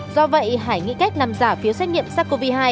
do vậy hải nghị cách làm giả phiếu xét nghiệm sars cov hai